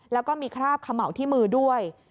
แล้วก็มีคราบเขม่าที่มือด้วย